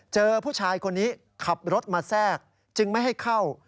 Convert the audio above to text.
เจอผู้ชายคนนี้ขับรถมาแทรกจึงไม่ให้เข้า